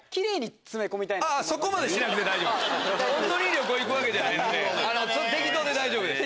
旅行行くわけじゃないので適当で大丈夫です。